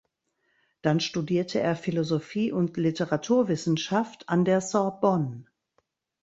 Dann studierte er Philosophie und Literaturwissenschaft an der Sorbonne.